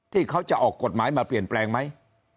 ที่เขาจะออกกฎหมายมาเปลี่ยนแปลงไหม